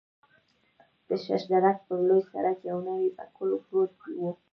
د شش درک پر لوی سړک یو نوی پکول پروت و.